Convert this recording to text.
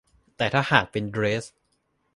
แต่ถ้าหากเป็นเดรส